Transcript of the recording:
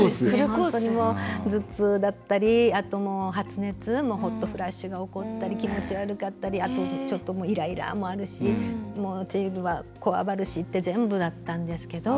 本当にもう、頭痛だったり発熱ホットフラッシュが起こったり気持ち悪かったりあと、ちょっとイライラもあるし手指はこわばるしって全部だったんですけど。